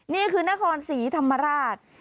นี่คือนครศรีธรรมราช